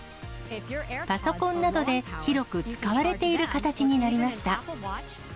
パソコンなどで広く使われている形になりました。